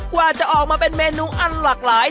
กว่าจะออกมาเป็นเมนูอันหลากหลาย